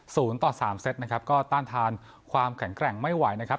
ต่อสามเซตนะครับก็ต้านทานความแข็งแกร่งไม่ไหวนะครับ